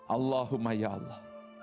allahumma ya allah